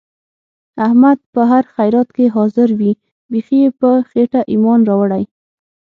احمد په هر خیرات کې حاضر وي. بیخي یې په خېټه ایمان راوړی.